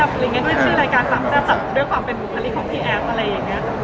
ด้วยชื่อรายการคำแซ่บด้วยความเป็นบุคลิของที่แอฟอะไรอย่างนี้